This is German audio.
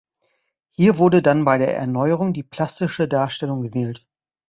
Hier wurde dann bei der Erneuerung die plastische Darstellung gewählt.